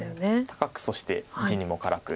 高くそして地にも辛く。